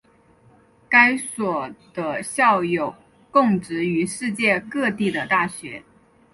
该所的校友供职于世界各地的大学。